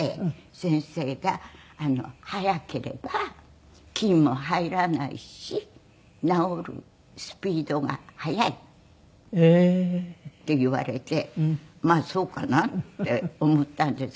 先生が「早ければ菌も入らないし治るスピードが早い」って言われてまあそうかなって思ったんですが。